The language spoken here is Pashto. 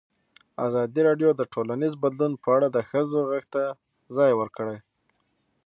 ازادي راډیو د ټولنیز بدلون په اړه د ښځو غږ ته ځای ورکړی.